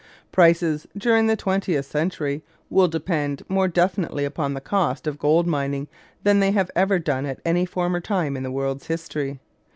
Prices during the twentieth century will depend more definitely upon the cost of gold mining than they have ever done at any former time in the world's history.